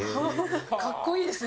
かっこいいですね。